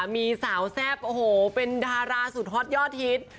มีสาวแซ่บโอ้โหเป็นดาราสุดฮอตยอดฮิต